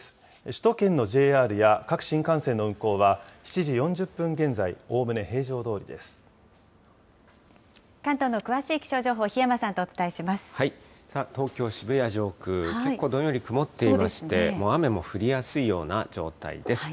首都圏のＪＲや各新幹線の運行は７時４０分現在、おおむね平常ど関東の詳しい気象情報、檜山東京・渋谷上空、結構どんより曇ってまして、雨も降りやすいような状態です。